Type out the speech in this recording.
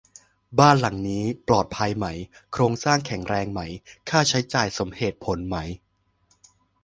บ้านหลังนี้ ปลอดภัยไหม โครงสร้างแข็งแรงไหม ค่าใช้จ่ายสมเหตุผลไหม